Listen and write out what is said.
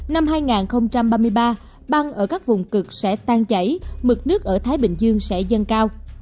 năm hai nghìn ba mươi ba băng ở các vùng cực sẽ tan chảy mực nước ở thái bình dương sẽ dâng cao